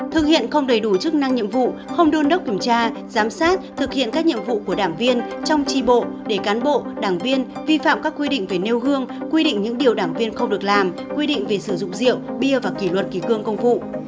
thực hiện không đầy đủ chức năng nhiệm vụ không đôn đốc kiểm tra giám sát thực hiện các nhiệm vụ của đảng viên trong tri bộ để cán bộ đảng viên vi phạm các quy định về nêu gương quy định những điều đảng viên không được làm quy định về sử dụng rượu bia và kỷ luật kỷ cương công vụ